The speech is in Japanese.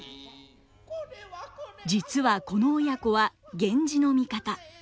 実はこの親子は源氏の味方。